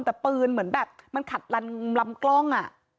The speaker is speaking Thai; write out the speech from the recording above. แต่ปืนเหมือนแบบมันขัดลันลำกล้อง